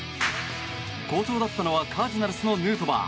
好調だったのはカージナルスのヌートバー。